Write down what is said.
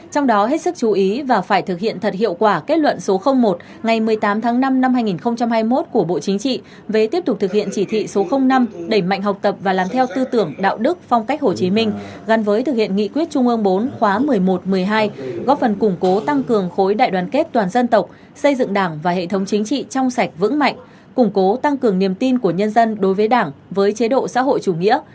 trong đó hết sức chú ý và phải thực hiện thật hiệu quả kết luận số một ngày một mươi tám tháng năm năm hai nghìn hai mươi một của bộ chính trị với tiếp tục thực hiện chỉ thị số năm đẩy mạnh học tập và làm theo tư tưởng đạo đức phong cách hồ chí minh gắn với thực hiện nghị quyết trung ương bốn khóa một mươi một một mươi hai góp phần củng cố tăng cường khối đại đoàn kết toàn dân tộc xây dựng đảng và hệ thống chính trị trong sạch vững mạnh củng cố tăng cường niềm tin của nhân dân đối với đảng với chế độ xã hội chủ nghĩa